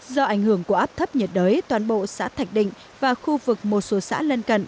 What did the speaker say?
do ảnh hưởng của áp thấp nhiệt đới toàn bộ xã thạch định và khu vực một số xã lân cận